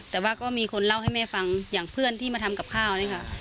แต่ว่าก็มีคนเล่าให้แม่ฟังอย่างเพื่อนที่มาทำกับข้าวนี่ค่ะ